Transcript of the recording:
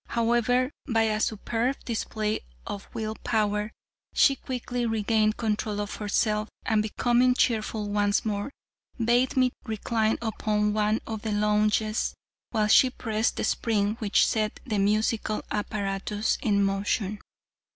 However, by a superb display of will power, she quickly regained control of herself, and becoming cheerful once more, bade me recline upon one of the lounges while she pressed the spring which set the musical apparatus in motion.